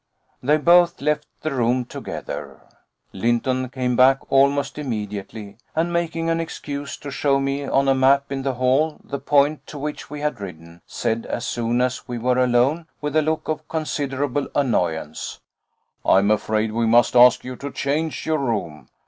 They both left the room together. Lynton came back almost immediately, and, making an excuse to show me on a map in the hall the point to which we had ridden, said as soon as we were alone, with a look of considerable annoyance: "I am afraid we must ask you to change your room.